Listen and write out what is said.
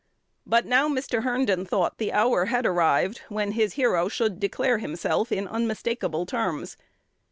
But now Mr. Herndon thought the hour had arrived when his hero should declare himself in unmistakable terms.